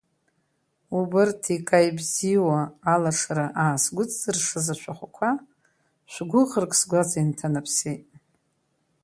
Убырҭ икаи-бзиуа алашара аасгәыҵзыршаз ашәахәақәа, шә-гәыӷрак сгәаҵа инҭанаԥсеит.